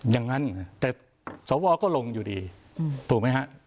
อย่างนั้นแต่สวก็ลงอยู่ดีถูกไหมฮะ